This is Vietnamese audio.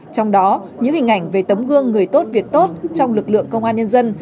trong đó những hình ảnh về tấm gương người tốt việc tốt trong lực lượng công an nhân dân